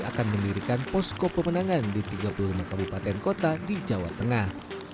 akan mendirikan posko pemenangan di tiga puluh lima kabupaten kota di jawa tengah